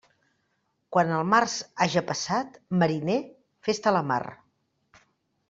Quan el març haja passat, mariner, fes-te a la mar.